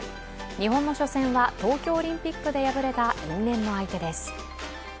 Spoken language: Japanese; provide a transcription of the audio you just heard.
日本の初戦は東京オリンピックで敗れた因縁の相手です。